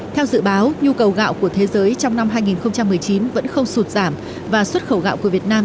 theo dự báo nhu cầu gạo của thế giới trong năm hai nghìn một mươi chín vẫn không sụt giảm và xuất khẩu gạo của việt nam